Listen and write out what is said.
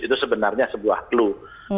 itu sebenarnya sebuah clue